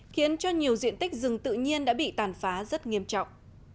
khiến cho nhiều diện tích rừng tự nhiên đã bị tàn phá rất nghiêm trọng